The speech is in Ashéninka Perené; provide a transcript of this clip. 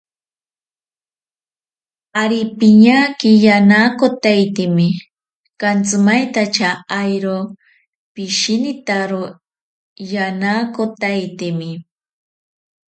Ari piñaki yanakotaitemi, kantsimaintacha airo pishinitaro yanakotaitemi.